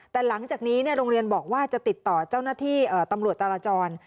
แต่หลังจากนี้โรงเรียนบอกว่าจะติดต่อเจ้าหน้าที่ตำรวจจราจร